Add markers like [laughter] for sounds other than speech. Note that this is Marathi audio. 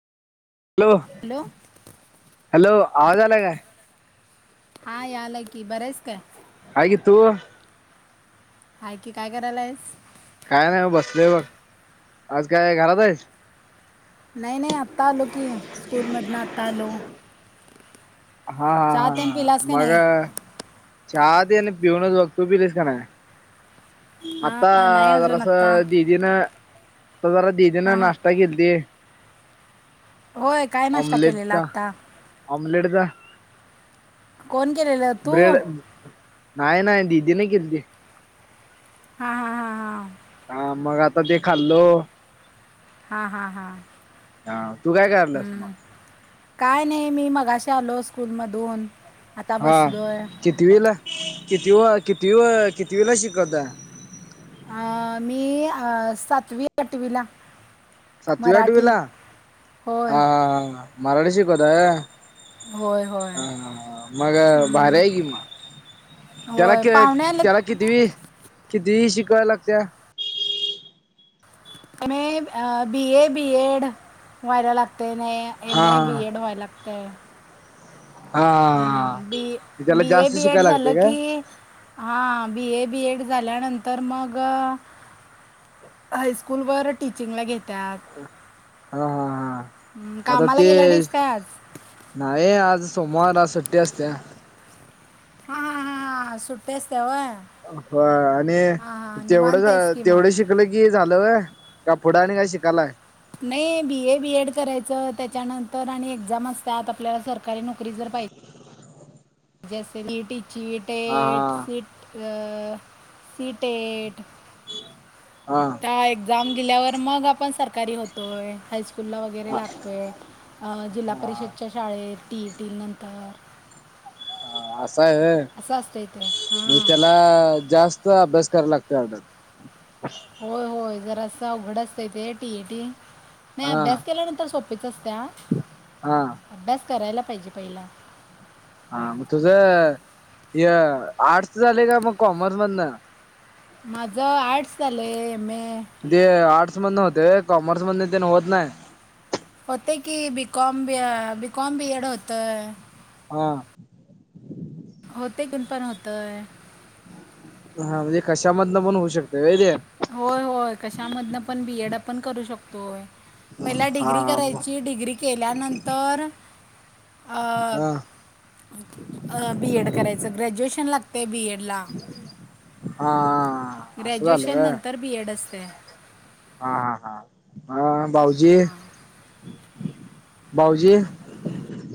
हॅलो. हॅलो. हॅलो आवाज आलाय काय? हा यालाय की बरां हाईस काय? हाय की तू. हा की काय करायला आहेस. काय नाही म बसले बघ आज काय घरात आहे. नाही नाही आत्ता लो की स्कूल मध ना आता लो. हा हा त्यान हा, पिलास का मग नाही चचा दे आणि पिऊनच बघ तो बिरस का नाही. आता हां नाही अजून जरास आत्ता दीदींन आता जरा दीदी न हां हां नाश्ता खेलतेय. होय काय नाश्ता केलेला ऑमलेटचा आत्ता ऑमलेटचा. कोण केलेलं तू ब्रेड नाही नाही दीदी नाही केल्ती. हा हा, हा मग आता ते खाल्लो. हां हां हां हा तू काय करलस मग. हम्म. काय नाय मी मगाशी आलो स्कूलमधून आता बसलोय. किती वेला किती व किती किती वेला शिकवता. अ मी अ सातवी आठवी ला. सातवी आठवीला होय हा हा मराठी शिकवताय. होय होय हा हा हा, मग भार हम्म, आहे कि मग त्याला होय. त्याला कितीवी कितवी शिकवाय लागत्या का नाही बी ए बी एड व्हायला लागते नाय. एम हा ए बी एड व्हयला लागतय. हा हा हम्म बी त्याला बी ए जास्त बीएड शिकायला झालं लागते काय की. हा बी ए बी एड झाल्यानंतर मग हायस्कूलवर टीचिंगला घेतात. हा हा हा, हम्म, आता कामाला ते. गेला नाहीस काय आज नाही आज सोमवार आज सुट्टी आत्या. हा हा हा, सुट्टेच असत्या होय. हो आणि हां निवांत आहेस तेवढंच की मग तेवढं शिक शिकल की झालंय होय का पुढं आणि काय शिकालाय. नाही बी ए बीएड करायचं त्याच्यानंतर आणि एक्झाम असतात आपल्याला सरकारी नोकरी जर पाहिजे. ज्या सीईटीचे हा डेट सीट. ग सिटेट. हा. त्या एक्झाम दिेल्यावर मग आपण सरकारी होतोय हायचक स्कुलला वगैरे हा हा लागतो आहे जिल्हा परिषदच्या हा शाळेत टीई टी नंतर ह आशा आहे अस असंस्तयते हा अं जास्त, ते अभ्यास कराय [unintelligible] होय होय, जरासं अवघड असतय ते, टीएटी नाही हा अभ्यास केल्यानंतर सोप. सोपीच असत्या. हा, अभ्यास करायला पाहिजे पहिला. हा मग तुझ हय आर्ट्स झाले का मग कॉमर्स मधनं? माझं आर्ट्स झालं आहे एम ए ते आर्ट्स मध होते कॉमर्स मध ते होत नाही होते की B Com B B Com B Ed होत हां. होते, गुण पण होतंय. हा म्हणजे, कशामधनं पण होऊ शकते व्हयं ते. होय होय, कशामधनं पण बीएड आपण करू शकतोय. पहिला हा डिग्री करायची. डिग्री केल्यानंतर, अ हा बी एड करायचं ग्रॅज्युएशन लागतय बीएड ला. हां ग्रॅज्युएशन नंतर बीएड असते. हा हा हा हा भाऊजी भाऊजी?